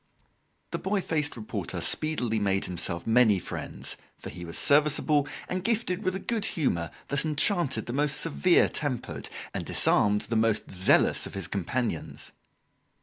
The boy faced reporter speedily made himself many friends, for he was serviceable and gifted with a good humour that enchanted the most severe tempered and disarmed the most zealous of his companions.